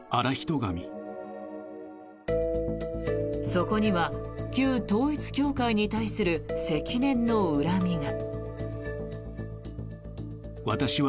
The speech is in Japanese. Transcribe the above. そこには旧統一教会に対する積年の恨みが。